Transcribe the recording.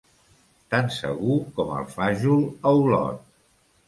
Tan segur com el fajol a Olot.